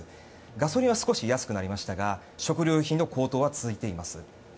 ガソリンは少し安くなりましたが食料品の高騰は続いています。